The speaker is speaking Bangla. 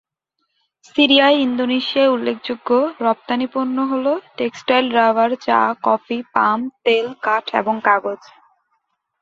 সিরিয়ায়, ইন্দোনেশিয়ার উল্লেখযোগ্য রপ্তানি পণ্য হল, টেক্সটাইল, রাবার, চা, কফি, পাম তেল, কাঠ এবং কাগজ।